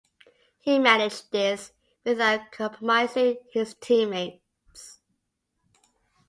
He managed this, without compromising his team-mates.